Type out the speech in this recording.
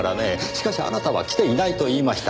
しかしあなたは来ていないと言いました。